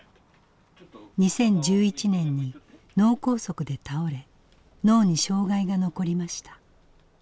２０１１年に脳梗塞で倒れ脳に障害が残りました。